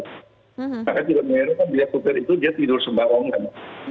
maka jika menyediakan dia tidur sembarangan